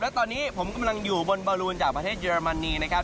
และตอนนี้ผมกำลังอยู่บนบาลูนจากประเทศเยอรมนีนะครับ